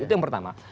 itu yang pertama